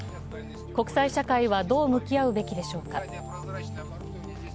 国際社会はどう向き合うべきでしょうか。